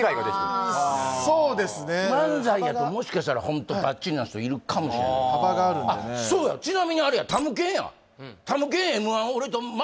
そうですね漫才やともしかしたらホントばっちりな人いるかもしれないそうやちなみにあれやたむけんやたむけん